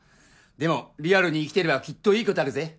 でもリアルに生きてればきっといいことあるぜ。